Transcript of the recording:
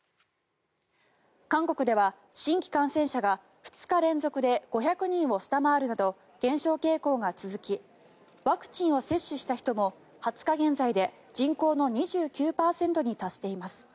韓国では新規感染者が２日連続で５００人を下回るなど減少傾向が続きワクチンを接種した人も２０日現在で人口の２９％に達しています。